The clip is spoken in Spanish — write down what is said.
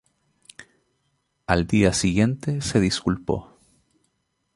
Al día siguiente se disculpó.